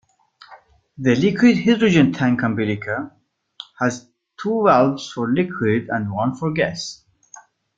The liquid hydrogen tank umbilical has two valves for liquid and one for gas.